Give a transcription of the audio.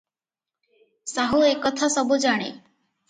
ସାହୁ ଏକଥା ସବୁ ଜାଣେ ।